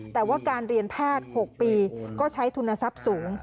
แต่ว่าการเรียนแพทย์๖ปีก็ใช้ทุนทรัพย์สูง